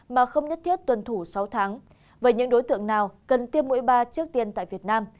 mà không nhất thiết tuân thủ sáu tháng vậy những đối tượng nào cần tiêm mũi ba trước tiên tại việt nam